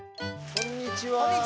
こんにちは。